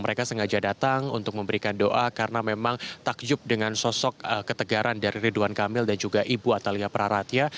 mereka sengaja datang untuk memberikan doa karena memang takjub dengan sosok ketegaran dari ridwan kamil dan juga ibu atalia praratya